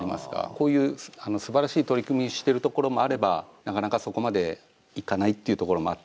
こういう、すばらしい取り組みをしているところもあればなかなか、そこまでいかないっていうところもあって。